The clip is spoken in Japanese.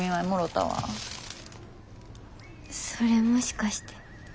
それもしかして。